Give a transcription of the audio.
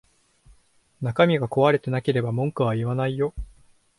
中身が壊れてなければ文句は言わないよ